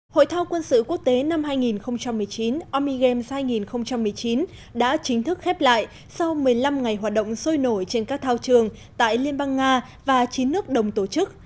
hội thao quân sự quốc tế năm hai nghìn một mươi chín army games hai nghìn một mươi chín đã chính thức khép lại sau một mươi năm ngày hoạt động sôi nổi trên các thao trường tại liên bang nga và chín nước đồng tổ chức